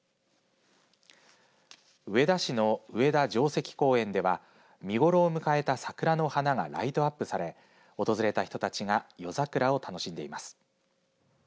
上田市の上田城跡公園では見頃を迎えた桜の花がライトアップされ訪れた人たちが夜桜を楽しんでいます。